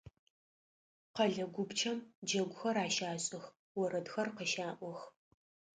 Къэлэ гупчэхэм джэгухэр ащашӏых, орэдхэр къыщаӏох.